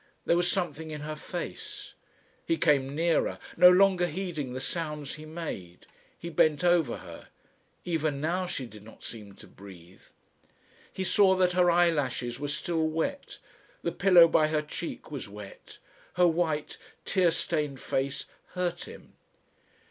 There was something in her face He came nearer, no longer heeding the sounds he made. He bent over her. Even now she did not seem to breathe. He saw that her eyelashes were still wet, the pillow by her cheek was wet. Her white, tear stained face hurt him....